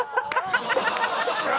よっしゃー！